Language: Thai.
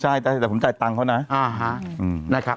ใช่แต่ผมจ่ายตังค์เขานะ